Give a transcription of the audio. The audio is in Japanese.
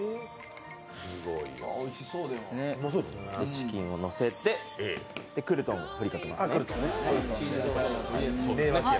チキンをのせて、クルトンを振りかけます。